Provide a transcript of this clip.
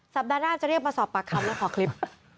สัปดาห์หน้าจะเรียกมาสอบปากคำแล้วขอคลิป